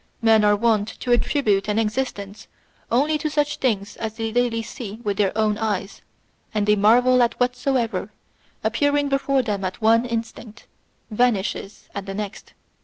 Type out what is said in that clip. Men are wont to attribute an existence only to such things as they daily see with their own eyes, and they marvel at whatsoever, appearing before them at one instant, vanishes at the next.